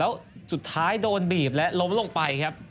แล้วสุดท้ายโดนบีบแล้วล้มลงไป